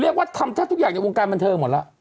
เรียกว่าทำทุกอย่างในวงการบันเทิงหมดแล้ว